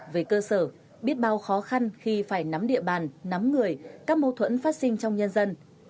về cơ sở biết bao khó khăn khi phải nắm địa bàn nắm người các mâu thuẫn phát sinh trong nhân dân